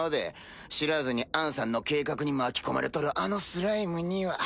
知らずにあんさんの計画に巻き込まれとるあのスライムには。